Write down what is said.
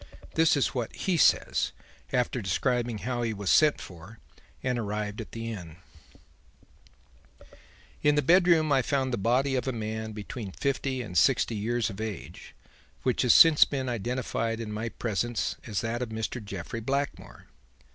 This is what he says, after describing how he was sent for and arrived at the Inn: "'In the bedroom I found the body of a man between fifty and sixty years of age, which has since been identified in my presence as that of Mr. Jeffrey Blackmore.